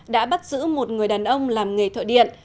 đã bắt giữ một người đàn ông làm nghề thợ điện